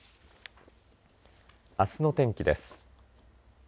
あすの天気です。